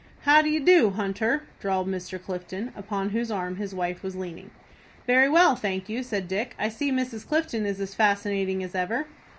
"How d'e do, Hunter?" drawled Mr. Clifton, upon whose arm his wife was leaning. "Very well, thank you," said Dick. "I see Mrs. Clifton is as fascinating as ever."